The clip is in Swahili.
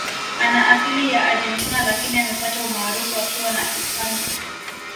Ana asili ya Argentina Lakini amepata umaarufu akiwa na Hispania